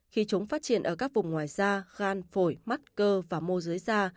khi chúng phát triển ở các vùng ngoài da gan phổi mắt cơ và mô dưới da